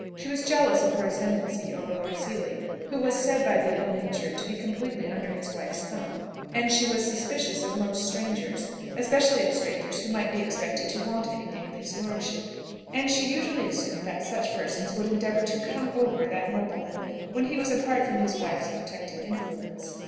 She was jealous of her ascendancy over Lord Seely, who was said by the ill natured to be completely under his wife's thumb, and she was suspicious of most strangers especially of strangers who might be expected to want anything of his lordship. And she usually assumed that such persons would endeavour to "come over" that nobleman, when he was apart from his wife's protecting influence.